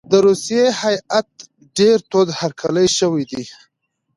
د روسیې هیات ډېر تود هرکلی شوی دی.